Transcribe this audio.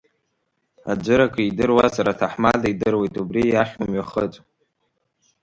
Аӡәыр акридыруазар аҭаҳмада идыруеит, убри иахь умҩахыҵ!